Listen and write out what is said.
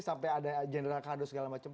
sampai ada general kado segala macam